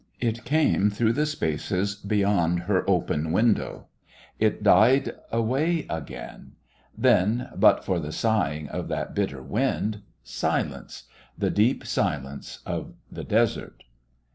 It came through the spaces beyond her open window; it died away again; then but for the sighing of that bitter wind silence, the deep silence of the desert.